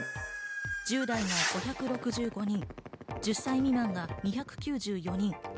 １０代が５６５人、１０歳未満が２９４人。